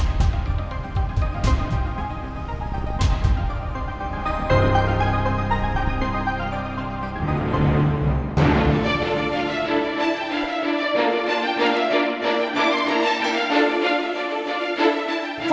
stop semuanya far